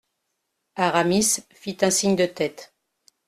Aramis fit un signe de tête.